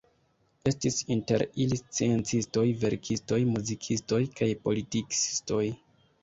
Estis inter ili sciencistoj, verkistoj, muzikistoj kaj politikistoj.